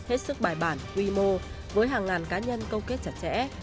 hết sức bài bản quy mô với hàng ngàn cá nhân câu kết chặt chẽ